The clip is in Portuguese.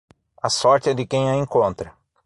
A sorte é de quem a encontra.